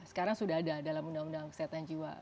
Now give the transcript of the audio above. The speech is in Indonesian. sekarang sudah ada dalam undang undang kesehatan jiwa